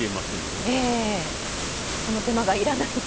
その手間がいらないと。